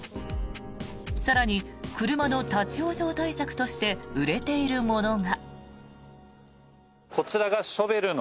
更に、車の立ち往生対策として売れているものが。